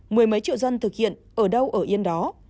mười mấy triệu dân thực hiện ở đâu ở yên đó